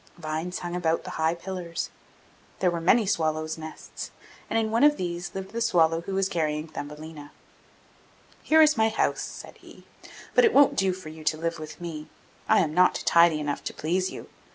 Vines hung about the high pillars; there were many swallows' nests, and in one of these lived the swallow who was carrying Thumbelina. 'Here is my house!' said he. 'But it won't do for you to live with me; I am not tidy enough to please you.